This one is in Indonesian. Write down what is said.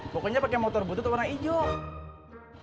pokoknya pakai motor butuh warna hijau